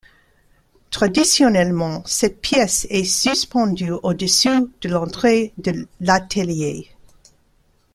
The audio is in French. Traditionnellement, cette pièce est suspendue au-dessus de l'entrée de l'atelier.